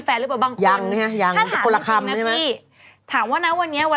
แป๊บนึงยังไม่ถึงเดือนนึงเลิกกันมันดูน่าเกลียดอยู่